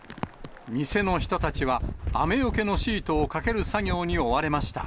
店の人たちは、雨よけのシートをかける作業に追われました。